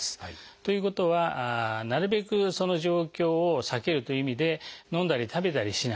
ということはなるべくその状況を避けるという意味で飲んだり食べたりしない。